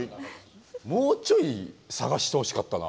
もうちょい探してほしかったな。